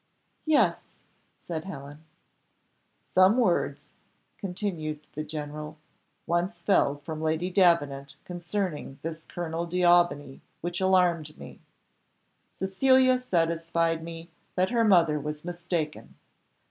"Yes," said Helen. "Some words," continued the general, "once fell from Lady Davenant concerning this Colonel D'Aubigny which alarmed me. Cecilia satisfied me that her mother was mistaken.